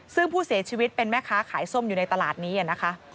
ซึ่งผู้เสียชีวิตเป็นแม่ค้าขายส้มอยู่ในตลาดนี้นะคะ